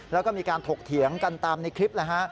แล้วก็มีการถกเถียงกันตามในคลิป